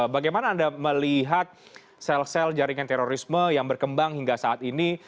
bagaimana anda melihat sel sel jaringan terorisme yang berkembang hingga saat ini